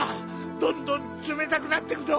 どんどんつめたくなってくぞ。